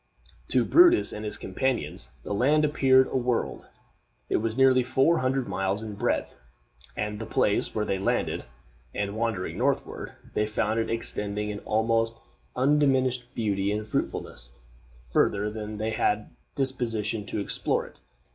To Brutus and his companions the land appeared a world. It was nearly four hundred miles in breadth at the place where they landed, and, wandering northward, they found it extending, in almost undiminished beauty and fruitfulness, further than they had the disposition to explore it.